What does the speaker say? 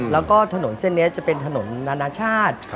แล้วก็ถนนเส้นนี้จะเป็นถนนนานาชาติ